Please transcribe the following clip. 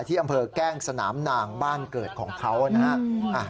ที่อำเภอแก้งสนามนางบ้านเกิดของเขานะฮะ